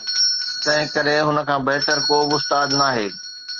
تنهن ڪري هن کان بهتر ڪو به استاد ناهي.